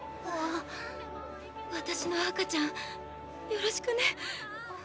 私の赤ちゃんよろしくね。